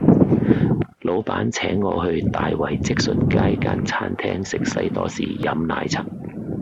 老闆請我去大圍積信街間餐廳食西多士飲奶茶